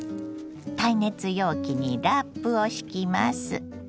耐熱容器にラップを敷きます。